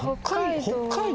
北海道。